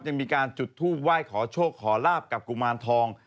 ยังมีการจุดทูปไหว้ขอโชคขอลาบกับกุมารทอง